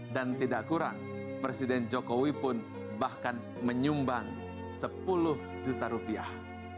dan tidak kurang presiden jokowi pun bahkan menyumbang sepuluh juta rupiah